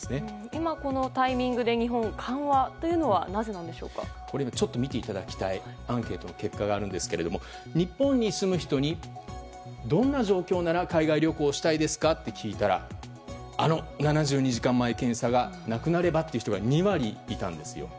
今、このタイミングで日本が緩和というのは見ていただきたいアンケートの結果があるんですけども日本に住む人にどんな状況なら海外旅行したいですかと聞いたら、７２時間前の検査がなくなればという人が２割いたんですよ。